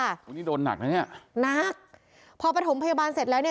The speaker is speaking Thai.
อันนี้โดนหนักนะเนี่ยหนักพอปฐมพยาบาลเสร็จแล้วเนี่ย